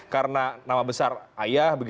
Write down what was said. karena nama besar ayah